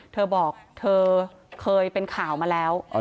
เธอบอกเธอเคยเป็นข่าวมาแล้ว